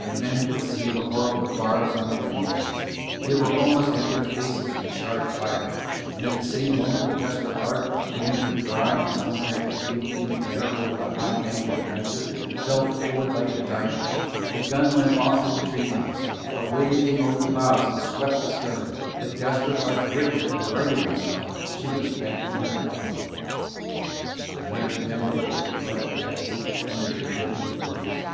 The men could see the horrible barbs on the lanceheads, they were almost at their faces when Shard fired, and at the same moment the Desperate Lark with her dry and suncracked keel in air on the high bank of the Niger fell forward like a diver. The gun went off through the tree tops, a wave came over the bows and swept the stern, the Desperate Lark wriggled and righted herself, she was back in her element. The merry men looked at the wet decks and at their dripping clothes.